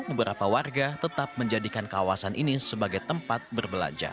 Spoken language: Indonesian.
beberapa warga tetap menjadikan kawasan ini sebagai tempat berbelanja